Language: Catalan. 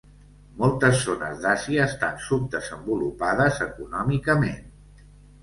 Moltes zones d'Àsia estan subdesenvolupades econòmicament.